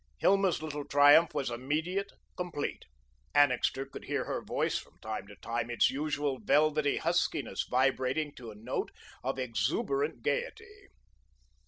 Hilma's little triumph was immediate, complete. Annixter could hear her voice from time to time, its usual velvety huskiness vibrating to a note of exuberant gayety.